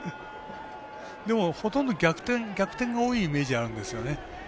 ほとんど逆転が多いイメージがあるんですよね。